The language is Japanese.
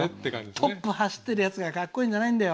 トップを走っているやつが格好いいんじゃないんだよ。